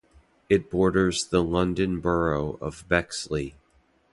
It borders the London Borough of Bexley.